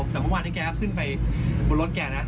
แต่เมื่อวานที่แกขึ้นไปบนรถแกนะ